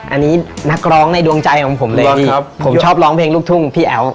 อันนี้นักร้องในดวงใจของผมเลยผมชอบร้องเพลงลูกทุ่งพี่แอ๋ว